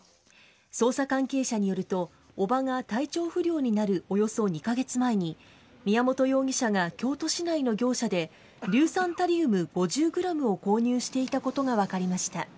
捜査関係者によると叔母が体調不良になるおよそ２カ月前に宮本容疑者が京都市内の業者で硫酸タリウム５０ｇを購入していたことが分かりました。